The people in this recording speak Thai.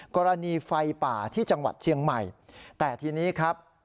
กรณีไฟป่าที่จังหวัดเชียงใหม่แต่ทีนี้ครับ